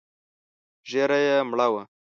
ږيره يې مړه وه.